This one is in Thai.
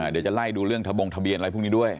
เดี๋ยวจะไล่ดูเรื่องทะบงทะเบียนอะไรพวกนี้ด้วย